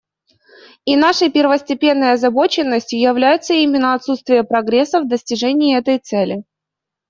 И нашей первостепенной озабоченностью является именно отсутствие прогресса в достижении этой цели.